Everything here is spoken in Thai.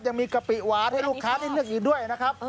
ยังมีกะปิหวานให้ลูกค้าได้เลือกอีกด้วยนะครับ